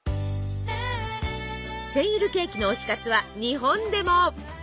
センイルケーキの推し活は日本でも。